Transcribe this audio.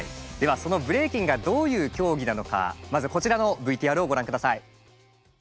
そのブレイキンがどういう競技なのかまずこちらのＶＴＲをご覧下さい。